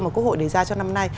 mà quốc hội đề ra cho năm nay